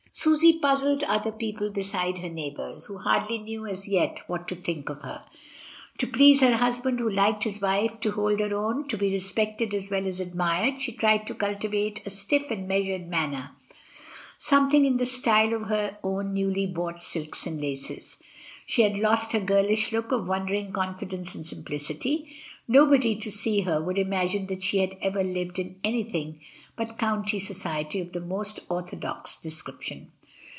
Susy puzzled other people besides her neigh bours, who hardly knew as yet what to think of her. 2^2 MRS. DYMOND. To please her husband, who liked his wife to hold her own, to be respected as well as admired, she tried to cultivate a stiff and measured manner, some thing in the style of her own newly bought silks and laces; she had lost her girlish look of wondering confidence and simplicity, nobody to see her would imagine that she had ever lived in anything but county society of the most orthodox description.